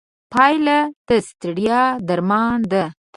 پیاله د ستړیا درمان ده.